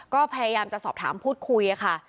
ก็พยายามจะสอบถามพูดคุยค่ะ